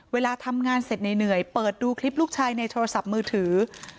เวลาทำงานเสร็จเหนื่อยเปิดดูคลิปลูกชายในโทรศัพท์มือถือ